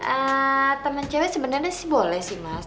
eee temen cewek sebenernya sih boleh sih mas